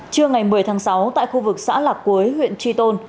trưa ngày một mươi tháng sáu tại khu vực xã lạc cuối huyện tri tôn